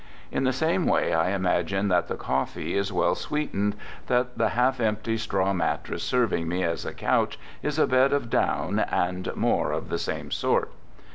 In the same way, I imagine I that the coffee is well sweetened, that the half empty i straw mattress serving me as a couch is a bed of ) down, and more of the same sort.